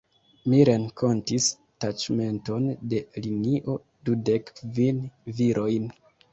Mi renkontis taĉmenton de linio: dudek kvin virojn.